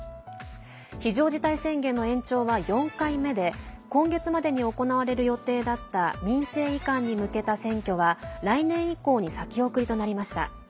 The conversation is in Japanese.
非常事態宣言の延長は、４回目で今月までに行われる予定だった民政移管に向けた選挙は来年以降に先送りとなりました。